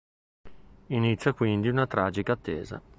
Inizia quindi una tragica attesa.